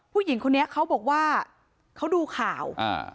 ผู้หญิงคนนี้เขาบอกว่าเขาดูข่าวอ่า